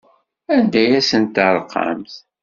Anda ay asent-terqamt?